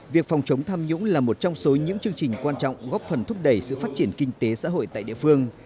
việc phòng chống tham nhũng là một trong số những chương trình quan trọng góp phần thúc đẩy sự phát triển kinh tế xã hội tại địa phương